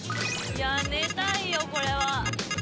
寝たいよこれは。